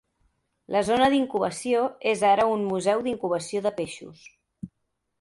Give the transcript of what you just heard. La zona d"incubació és ara un museu d"incubació de peixos.